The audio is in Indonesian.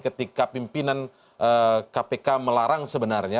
ketika pimpinan kpk melarang sebenarnya